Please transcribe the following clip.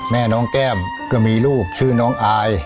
แม่น้องแก้มก็มีลูกชื่อน้องอาย